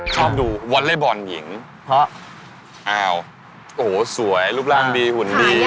ชอบดูวอเล็กบอลหญิงเพราะอ้าวโอ้โหสวยรูปร่างดีหุ่นดี